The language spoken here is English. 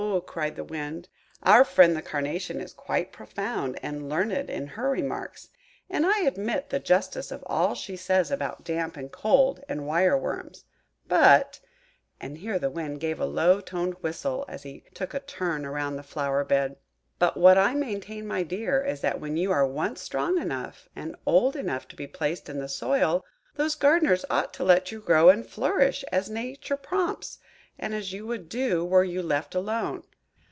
cried the Wind, "our friend the Carnation is quite profound and learned in her remarks, and I admit the justice of all she says about damp and cold, and wire worms; but,"–and here the Wind gave a low toned whistle as he took a turn round the flower bed–"but what I maintain, my dear, is that when you are once strong enough and old enough to be placed in the soil, those gardeners ought to let you grow and flourish as Nature prompts, and as you would do were you left alone.